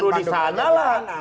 tidak menggunakan anad